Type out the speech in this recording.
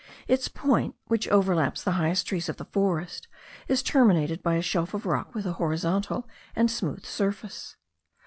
Its point, which overtops the highest trees of the forest, is terminated by a shelf of rock with a horizontal and smooth surface.